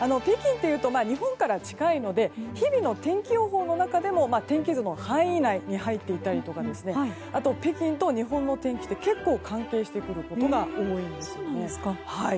北京というと日本から近いので日々の天気予報の中でも天気図の範囲内に入っていたりとかあと北京と日本の天気って結構、関係してくることが多いんですね。